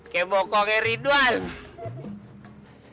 kayaknya dia berbohongan